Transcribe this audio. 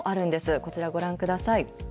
こちらご覧ください。